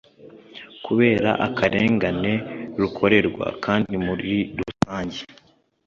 kubera akarengane rukorerwa kandi muri rusange